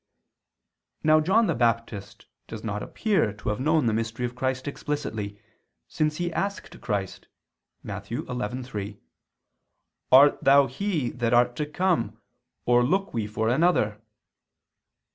Now John the Baptist does not appear to have known the mystery of Christ explicitly, since he asked Christ (Matt. 11:3): "Art Thou He that art to come, or look we for another?"